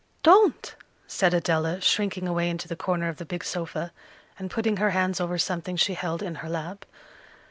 "Don't!" said Adela, shrinking away into the corner of the big sofa, and putting her hands over something she held in her lap.